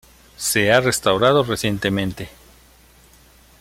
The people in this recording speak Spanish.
Se ha restaurado recientemente.